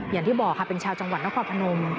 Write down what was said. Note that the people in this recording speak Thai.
อย่างที่บอกค่ะเป็นชาวจังหวัดนครพนม